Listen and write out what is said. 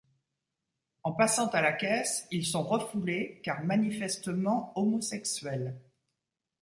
En passant à la caisse, ils sont refoulés car manifestement homosexuels.